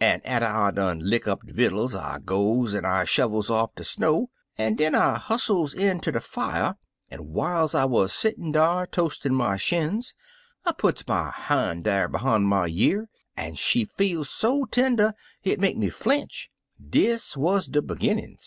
An' atter I done lick up de vittles, I goes an' I shovels off de snow, an' den I hustles in ter de fier, an' whiles I wuz settin' dar toas'n' my shins, I puts my han' dar be hime my year, an' she feel so tender, hit make me flinch; Dis wuz de beginnin's.